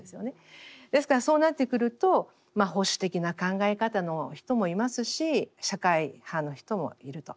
ですからそうなってくると保守的な考え方の人もいますし社会派の人もいると。